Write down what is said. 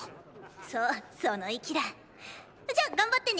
そうその意気だ。じゃ頑張ってね。